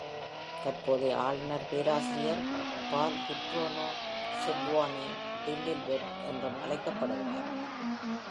தற்போதைய ஆளுநர் பேராசிரியர் பால் கிப்ரோனோ செப்க்வோனி "டிம்பில்வெட்" என்றும் அழைக்கப்படுகிறார்.